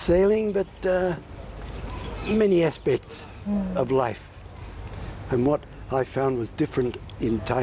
เราได้คุยคุยกันเรื่อยมีผ่านที่หลายกลางแต่เป็นการกันหลายอย่าง